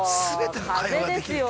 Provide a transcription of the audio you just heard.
風ですよ。